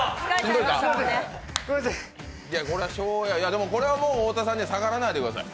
でも、これはもう太田さんにはさからわないでください。